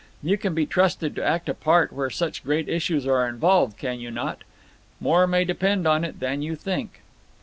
You can be trusted to act a part where such great issues are involved, can you not? More may depend on it than you think."